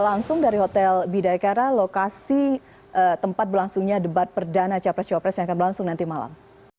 langsung dari hotel bidaekara lokasi tempat berlangsungnya debat perdana capres capres yang akan berlangsung nanti malam